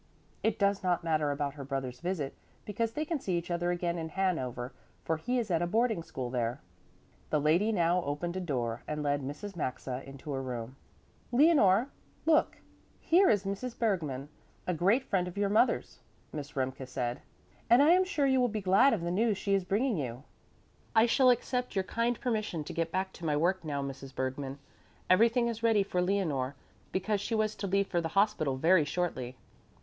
It does not matter about her brother's visit, because they can see each other again in Hanover, for he is at a boarding school there." The lady now opened a door and led Mrs. Maxa into a room. "Leonore, look, here is Mrs. Bergmann, a great friend of your mother's." Miss Remke said, "and I am sure you will be glad of the news she is bringing you. I shall accept your kind permission to get back to my work now, Mrs. Bergmann. Everything is ready for Leonore, because she was to leave for the hospital very shortly."